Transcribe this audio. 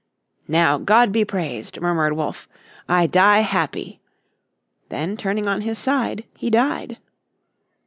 "Now God be praised," murmured Wolfe. "I die happy." Then turning on his side he died.